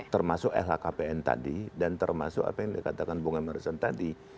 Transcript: termasuk lhkpn tadi dan termasuk apa yang dikatakan bung emerson tadi